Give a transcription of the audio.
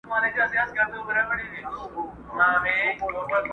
له جانانه مي ګيله ده٫